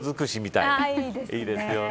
いいですよね。